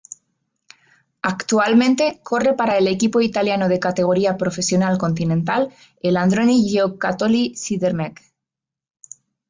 Actualmente corre para el equipo italiano de categoría Profesional Continental el Androni Giocattoli-Sidermec.